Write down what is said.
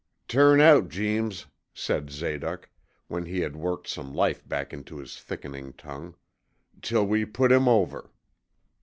'Turn out, Jeems,' said Zadoc, when he had worked some life back into his thickening tongue, 'till we put him over.'